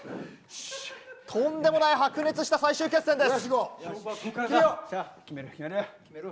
とんでもない白熱した最終決戦です。